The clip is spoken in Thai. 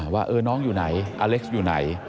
ว่าน้องอยู่ไหนอเล็กซ์อยู่ไหน